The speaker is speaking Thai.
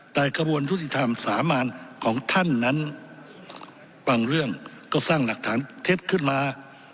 แต่กระบวนยุติธรรมสามารของท่านนั้นบางเรื่องก็สร้างหลักฐานเท็จขึ้นมา